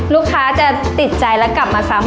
ลูกค้าจะติดใจแล้วกลับมาซ้ำ